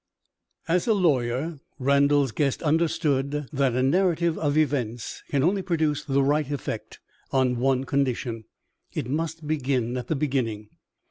As a lawyer, Randal's guest understood that a narrative of events can only produce the right effect, on one condition: it must begin at the beginning.